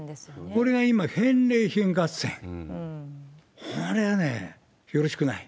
これが今、返礼品合戦、これはね、よろしくない。